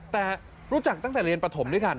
แต่รู้จักตั้งแต่เรียนปฐมด้วยกัน